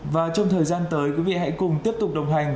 và trong thời gian tới quý vị hãy cùng tiếp tục đồng hành